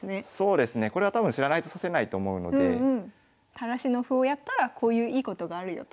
垂らしの歩をやったらこういういいことがあるよと。